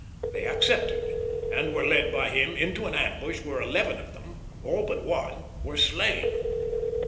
They accepted, and were led by him into an ambush where eleven of them all but one were slain.